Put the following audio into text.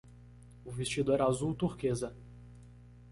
O vestido era azul turquesa.